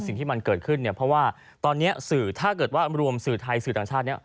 สิ่งที่มันเกิดขึ้นเนี่ยเพราะว่าตอนนี้สื่อถ้าเกิดว่ารวมสื่อไทยสื่อต่างชาติเนี่ย